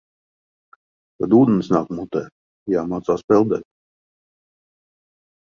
Kad ūdens nāk mutē, jāmācās peldēt.